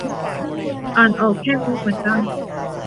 อ่านออกแค่นี้เหมือนกัน